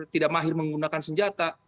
tidak mahir menggunakan senjata